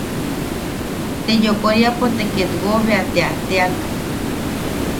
Te yokoriapo te ketwo bea te a teak.